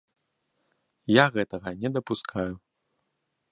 Я гэтага не дапускаю.